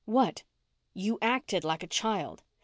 "What?" "You acted like a child.